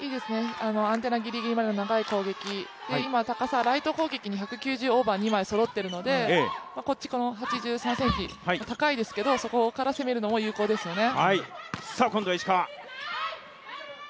アンテナギリギリまでの長い攻撃、今、高さ、ライト攻撃に１９０オーバーが二枚そろっているので８３ｃｍ、高いですけどもそこから攻めるのも有効ですよね。